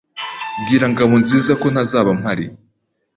Bwira Ngabonziza ko ntazaba mpari.